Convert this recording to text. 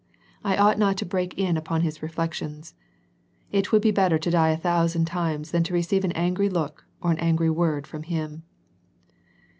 I ought not to break in upon his reflections. It would be better to die a thousand times, than to receive an angry look or an angry word from him."